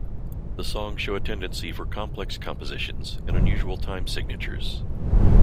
The songs show a tendency for complex compositions and unusual time signatures.